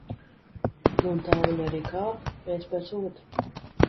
Nu, un tā viņi arī kāpa, viens pēc otra.